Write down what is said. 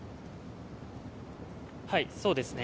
そうですね。